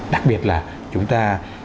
đặc biệt là chúng ta